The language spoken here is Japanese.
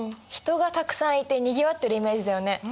人がたくさんいてにぎわってるイメージだよね。